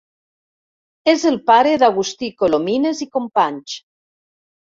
És el pare d'Agustí Colomines i Companys.